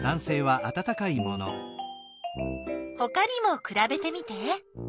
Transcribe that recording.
ほかにもくらべてみて。